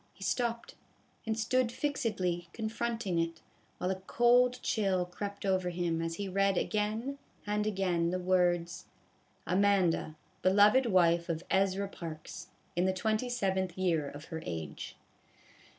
He stopped, and stood fixedly confronting it, while a cold chill crept over him as he read again and again the words :" Amanda, beloved wife of Ezra Parks, in the ayth year of her age."